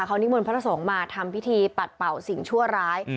เขานิมนต์พระสงฆ์มาทำพิธีปัดเป่าสิ่งชั่วร้าย